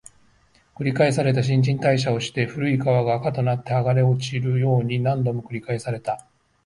繰り返された、新陳代謝をして、古い皮が垢となって剥がれ落ちるように、何度も繰り返された